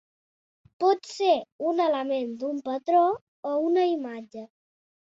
Pot ser un element d'un patró o una imatge.